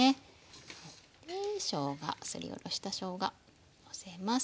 でしょうがすりおろしたしょうがのせます。